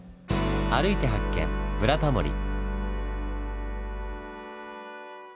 歩いて発見「ブラタモリ」。